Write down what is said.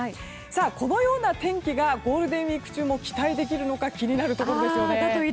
このような天気がゴールデンウィーク中も期待できるのか気になるところですよね。